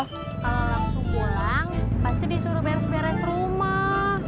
kalau langsung pulang pasti disuruh beres beres rumah